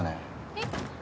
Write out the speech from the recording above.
えっ？